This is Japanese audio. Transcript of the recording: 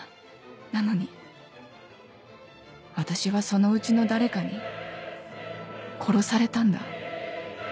なのに私はそのうちの誰かに殺されたんだ